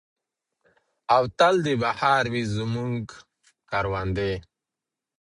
او تل دې بہار وي زموږ کروندې.